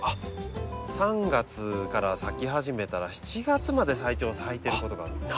３月から咲き始めたら７月まで最長咲いてることがあるんですね。